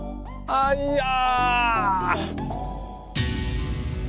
アイヤー！